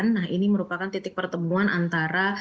nah ini merupakan titik pertemuan antara